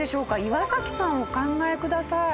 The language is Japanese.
岩さんお考えください。